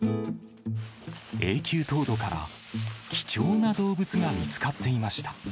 永久凍土から貴重な動物が見つかっていました。